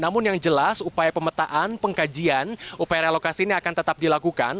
namun yang jelas upaya pemetaan pengkajian upaya relokasi ini akan tetap dilakukan